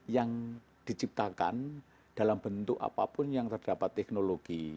yang diciptakan dalam bentuk apapun yang terdapat teknologi